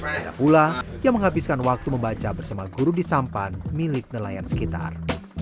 ada pula yang menghabiskan waktu membaca bersama guru di sampan milik nelayan sekitar